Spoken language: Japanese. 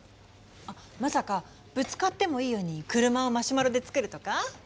あっまさかぶつかってもいいように車をマシュマロで作るとか？